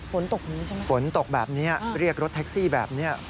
ฝนตกนี้ใช่ไหมฝนตกแบบนี้เรียกรถแท็กซี่แบบนี้